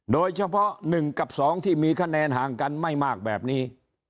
โดยเฉพาะ๑กับ๒ที่มีคะแนนห่างกันไม่มากแบบนี้